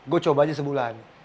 gue coba aja sebulan